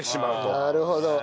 なるほど。